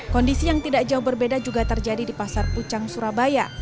kondisi yang tidak jauh berbeda juga terjadi di pasar pucang surabaya